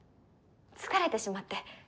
疲れてしまって。